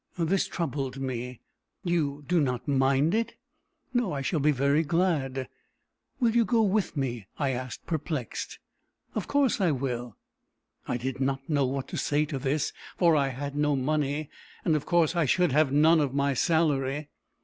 This troubled me. "You do not mind it?" "No. I shall be very glad." "Will you go with me?" I asked, perplexed. "Of course I will." I did not know what to say to this, for I had no money, and of course I should have none of my salary.